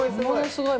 すごい！